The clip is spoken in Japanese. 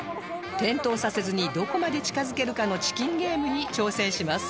点灯させずにどこまで近づけるかのチキンゲームに挑戦します